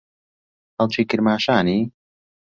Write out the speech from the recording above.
خەڵکی کرماشانی؟